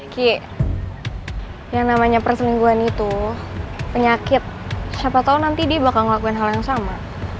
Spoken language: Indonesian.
ki yang namanya persemingguan itu penyakit siapa tahu nanti dia bakal ngelakuin hal yang sama